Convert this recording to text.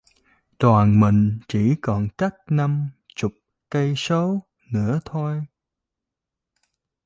Đoàn mình chỉ còn cách năm chục cây số nữa thôi